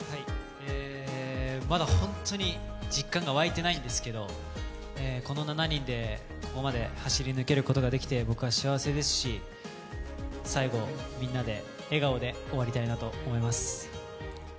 まだ本当に、実感が湧いてないんですけどこの７人で、ここまで走り抜くことができて僕は幸せですし、最後、みんなで笑顔で終わりたいなと思います。